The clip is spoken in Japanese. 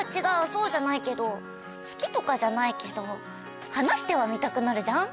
そうじゃないけど好きとかじゃないけど話してはみたくなるじゃん。